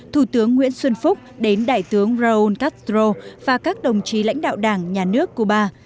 thủ tướng nguyễn xuân phúc đến đại tướng roul castro và các đồng chí lãnh đạo đảng nhà nước cuba